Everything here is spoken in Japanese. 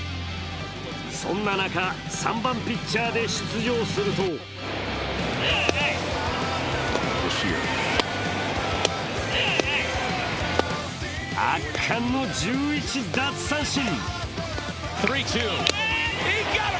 そんな中、３番ピッチャーで出場すると圧巻の１１奪三振。